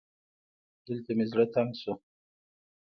دلته مې زړه تنګ شو